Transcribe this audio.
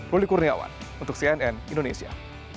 ruli kurniawan untuk cnn indonesia